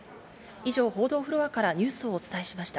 以上、報道フロアからニュースをお伝えしました。